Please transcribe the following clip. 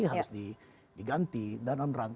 harus diganti dan on rangka untuk